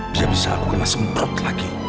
bisa bisa aku kena semprot lagi